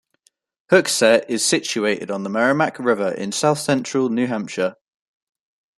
Hooksett is situated on the Merrimack River in south-central New Hampshire.